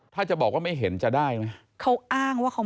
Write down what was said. ถ้าจะบอกว่าไม่เห็นจะได้ไหม